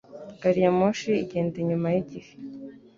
Gariyamoshi igenda inyuma yigihe